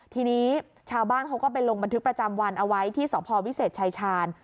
ทีนี้ชาวบ้านเขาก็ไปลงบันทึกประจำวันเอาไว้ที่สพวิเศษชายชาญ